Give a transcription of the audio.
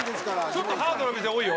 ちょっとハードな店多いよ。